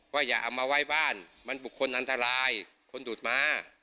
อย่าเอามาไว้บ้านมันบุคคลอันตรายคนดูดม้า